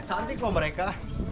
cantik loh mereka